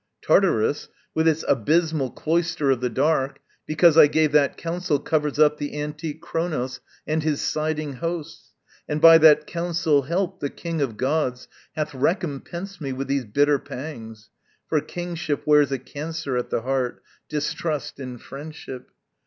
Tartarus, With its abysmal cloister of the Dark, Because I gave that counsel, covers up The antique Chronos and his siding hosts, And, by that counsel helped, the king of gods Hath recompensed me with these bitter pangs: For kingship wears a cancer at the heart, Distrust in friendship.